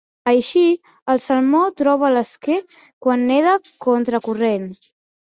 Així, el salmó troba l'esquer quan neda contracorrent.